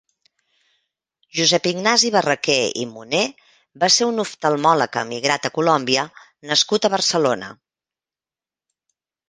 Josep Ignasi Barraquer i Moner va ser un oftalmòleg emigrat a Colòmbia nascut a Barcelona.